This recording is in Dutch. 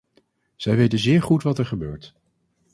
Zij weten zeer goed wat er gebeurt.